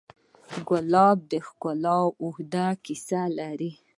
ګلاب د ښکلا اوږده کیسه لري.